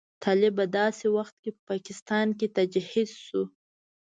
طالب په داسې وخت کې په پاکستان کې تجهیز شو.